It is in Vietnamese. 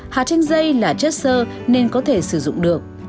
hạt chanh dây là chất sơ nên có thể sử dụng được